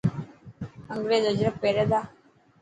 انگريز اجرڪ پيري تا.